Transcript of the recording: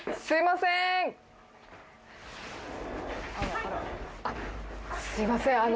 すいません